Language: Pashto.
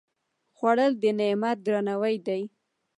خوړل د نعمت درناوی دی